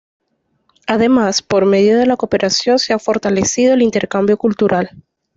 Además, por medio de la cooperación se ha fortalecido el intercambio cultural.